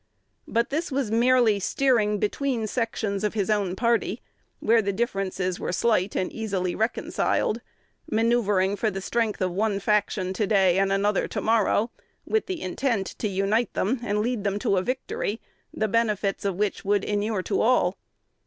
But this was merely steering between sections of his own party, where the differences were slight and easily reconciled, manoeuvring for the strength of one faction today and another to morrow, with intent to unite them and lead them to a victory, the benefits of which would inure to all.